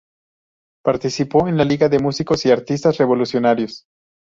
Participó en la Liga de Músicos y Artistas Revolucionarios.